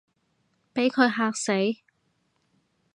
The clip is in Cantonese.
畀佢嚇死